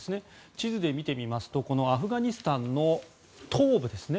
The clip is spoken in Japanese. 地図で見てみますとアフガニスタンの東部ですね